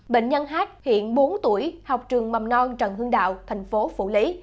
bệnh nhân h hiện bốn tuổi học trường mầm non trần hưng đạo thành phố phủ lý